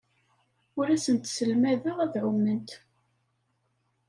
Ur asent-sselmadeɣ ad ɛument.